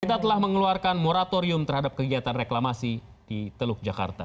kita telah mengeluarkan moratorium terhadap kegiatan reklamasi di teluk jakarta